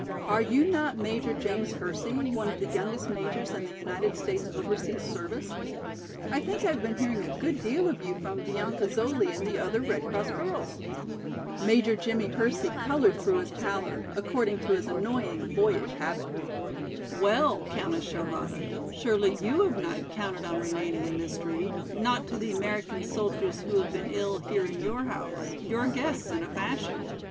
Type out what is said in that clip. "Are you not Major James Hersey, one of the youngest majors in the United States overseas service? I think I have been hearing a good deal of you from Bianca Zoli and the other Red Cross girls." Major Jimmie Hersey colored through his pallor, according to his annoying boyish habit. "Well, Countess Charlotta, surely you have not counted on remaining a mystery—not to the American soldiers who have been ill here in your house, your guests in a fashion.